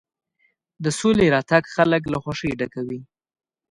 د سولې راتګ خلک له خوښۍ ډکوي.